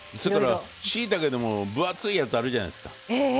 しいたけでも分厚いやつあるじゃないですか。